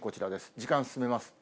時間進めます。